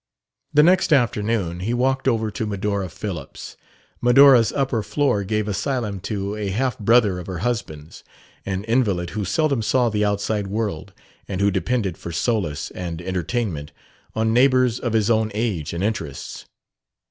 The next afternoon he walked over to Medora Phillips. Medora's upper floor gave asylum to a half brother of her husband's an invalid who seldom saw the outside world and who depended for solace and entertainment on neighbors of his own age and interests.